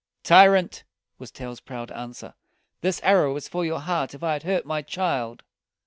"Tyrant!" was Tell's proud answer, "this arrow was for your heart if I had hurt my child."